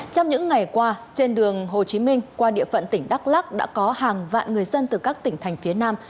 trong những ngày qua trên đường hồ chí minh qua địa phận tỉnh đắk lắc đã có hàng vạn người dân từ các tỉnh thành phía nam